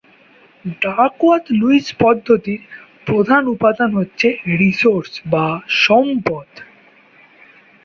Duckworth-Lewis পদ্ধতির প্রধান উপাদান হচ্ছে রিসোর্স বা সম্পদ।